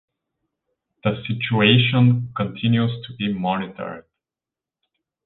The situation continues to be monitored.